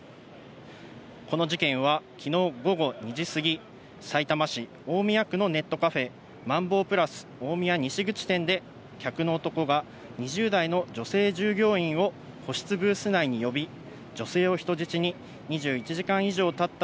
この事件は昨日午後２時すぎ、さいたま市大宮区のネットカフェ、マンボープラス大宮西口店で、客の男が２０代の女性従業員を個室ブース内に呼び、女性を人質に２１時間以上たった